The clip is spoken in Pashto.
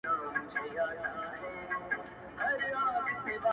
پخواني ملتونه قوي پوځونه لرل